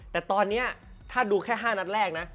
แต่ตอนนี้ถ้าดูแค่๕นัดแรกนะ